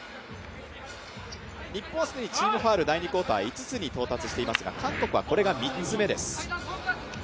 日本は既にチームファウル第２クオーター５つに到達していますが韓国はこれが３つ目です。